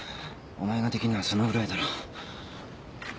お前ができんのはそのぐらいだろ。